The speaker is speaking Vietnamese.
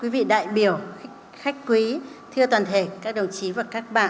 và bà nguyễn thu